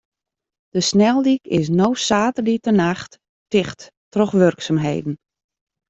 De sneldyk is no saterdeitenacht ticht troch wurksumheden.